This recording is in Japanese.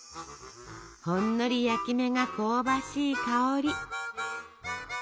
ほんのり焼き目が香ばしい香り。